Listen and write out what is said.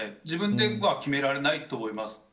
自分では決められないと思います。